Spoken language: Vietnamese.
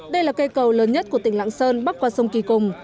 đây là cây cầu lớn nhất của tỉnh lạng sơn bắc qua sông kỳ cùng